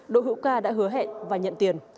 đội hữu ca đã hứa hẹn và nhận tiền